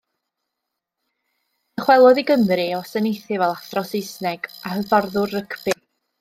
Dychwelodd i Gymru i wasanaethu fel athro Saesneg a hyfforddwr rygbi.